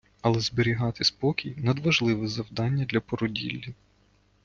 Але зберігати спокій – надважливе завдання для породіллі.